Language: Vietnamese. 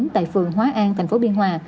tại phường hóa an tp biên hòa